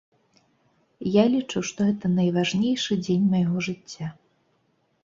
Я лічу, што гэта найважнейшы дзень майго жыцця.